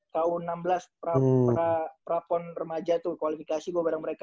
ku enam belas prapon remaja tuh kualifikasi gue bareng mereka